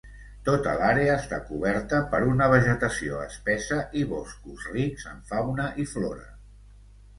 Tota l'àrea està coberta per una vegetació espessa i boscos rics en fauna i flora.